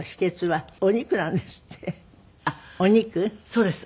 そうです。